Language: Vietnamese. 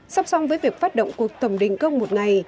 sắp xong với việc phát động cuộc tổng đình công một ngày